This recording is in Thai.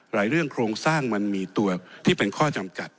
เรื่องโครงสร้างมันมีตัวที่เป็นข้อจำกัด